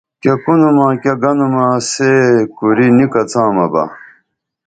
کیہ کُنومہ کیہ گنُومہ سے کوری نی کڅامہ بہ